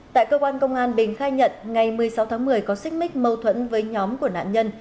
tại cơ quan công an bình khai nhận ngày một mươi sáu tháng một mươi có xích mích mâu thuẫn với nhóm của nạn nhân